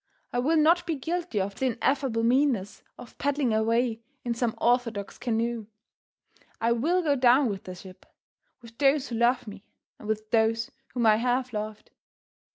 I will not be guilty of the ineffable meanness of paddling away in some orthodox canoe. I will go down with the ship, with those who love me, and with those whom I have loved.